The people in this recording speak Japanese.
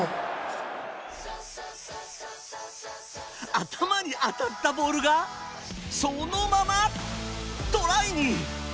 頭に当たったボールがそのままトライに。